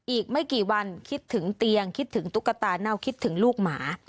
อีกไม่กี่วันคิดถึงเตียงคิดถึงตุ๊กตาเน่าคิดถึงลูกหมา